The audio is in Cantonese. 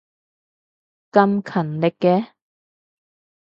咁勤力嘅